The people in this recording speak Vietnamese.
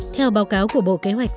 theo báo cáo của bộ kế hoạch pháp